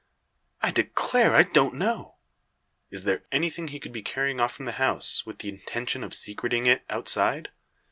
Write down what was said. "I declare I don't know." "Is there anything he could be carrying off from the house, with the intention of secreting it outside?